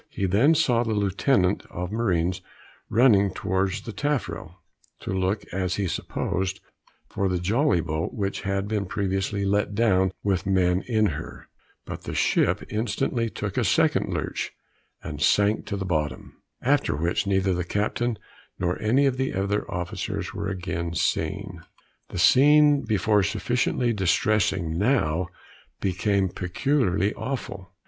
He then saw the lieutenant of marines running towards the taffrel, to look, as he supposed, for the jolly boat, which had been previously let down with men in her; but the ship instantly took a second lurch and sunk to the bottom, after which neither the captain nor any of the other officers were again seen. The scene, before sufficiently distressing, now became peculiarly awful.